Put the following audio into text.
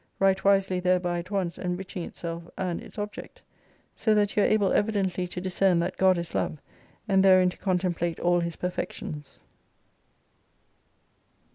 Right wisely thereby at once enriching itself and its object. So that you are able evidently to discern that God is Love, and therein to contemplate all His perfections.